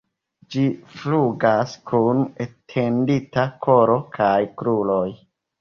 Ĝi flugas kun etendita kolo kaj kruroj.